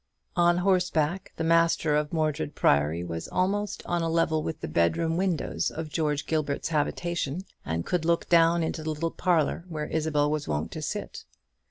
On horseback the master of Mordred Priory was almost on a level with the bedroom windows of George Gilbert's habitation, and could look down into the little parlour where Isabel was wont to sit.